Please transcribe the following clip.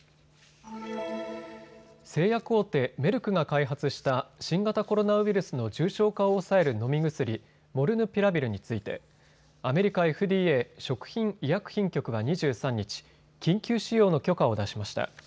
製薬大手、メルクが開発した新型コロナウイルスの重症化を抑える飲み薬、モルヌピラビルについてアメリカＦＤＡ・食品医薬品局は２３日、緊急使用の許可を出しました。